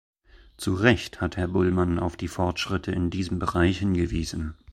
Zu Recht hat Herr Bullmann auf die Fortschritte in diesem Bereich hingewiesen.